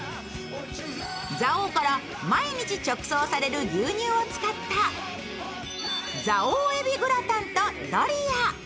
蔵王から毎日直送される牛乳を使った、蔵王えびグラタンとドリア。